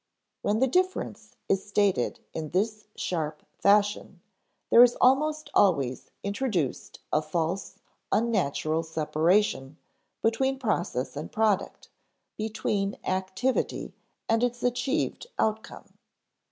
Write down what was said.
When the difference is stated in this sharp fashion, there is almost always introduced a false, unnatural separation between process and product, between activity and its achieved outcome.